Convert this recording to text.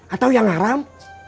atau yang haram